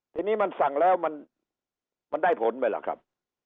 ทีนี้มันสั่งแล้วมันได้ผลไหมล่ะครับ